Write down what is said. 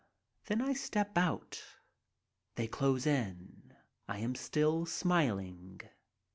Then I step out. They close in. I am still smiling.